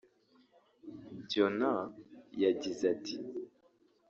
Byonna yagize ati